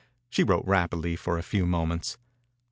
She wrote rapidly for a few moments.